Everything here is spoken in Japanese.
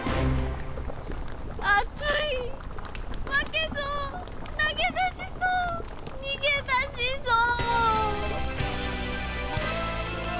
熱い負けそう投げ出しそう逃げ出しそう。